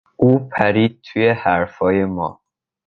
او پرید توی حرفهای ما.